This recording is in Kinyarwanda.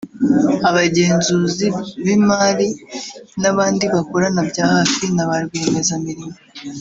abagenzuzi b’imari n’abandi bakorana bya hafi na ba rwiyemezamirimo